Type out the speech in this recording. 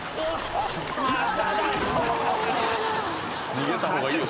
「逃げた方がいいよ